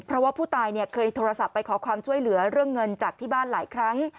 เพราะว่าผู้ตายเคยโทรศัพท์ไปขอความช่วยเหลือเรื่องเงินจากที่บ้านหลายครั้ง